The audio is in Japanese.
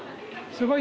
すごい。